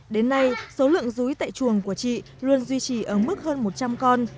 đến nay số lượng rúi tại chuồng của chị luôn duy trì ở mức hơn một trăm linh con